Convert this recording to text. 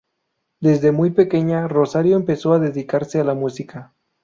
Desde muy pequeña, Rosario empezó a dedicarse a la música.